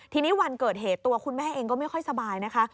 ทีนี้วันเกิดเหตุตัวคุณแม่เองก็ไม่ค่อยสบายนะคะ